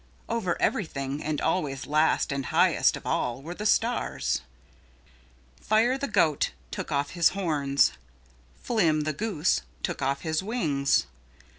Over everything and always last and highest of all, were the stars. Fire the Goat took off his horns. Flim the Goose took off his wings.